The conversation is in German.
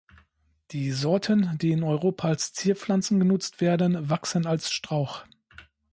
Die Sorten die in Europa als Zierpflanzen genutzt werden wachsen als Strauch.